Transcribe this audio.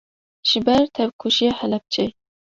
ji ber tevkujiya Helepçê